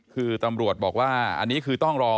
คือตำรวจบอกว่าอันนี้คือต้องรอ